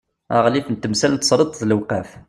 aɣlif n temsal n tesreḍt d lewqaf